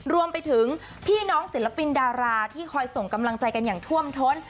รวมไปถึงพี่น้องศิลปินดาราที่คอยส่งกำลังใจกันอย่างท่วมท้น